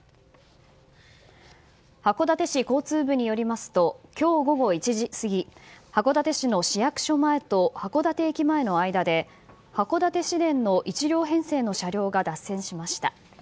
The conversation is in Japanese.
函館市交通部によりますと今日午後１時過ぎ函館市の市役所前と函館駅前の間で函館市電の１両編成の車両が脱線しました。